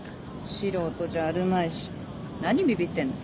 素人じゃあるまいし何ビビってんの？